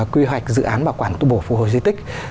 quy hoạch dự án bảo quản tu bổ phù hồi di tích